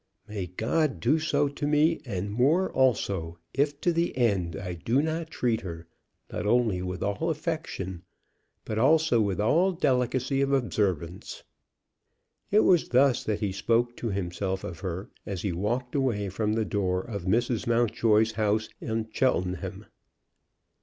"May God do so to me, and more also, if to the end I do not treat her not only with all affection, but also with all delicacy of observance." It was thus that he spoke to himself of her, as he walked away from the door of Mrs. Mountjoy's house in Cheltenham.